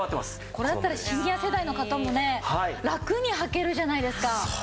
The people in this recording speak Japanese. これだったらシニア世代の方もねラクにはけるじゃないですか。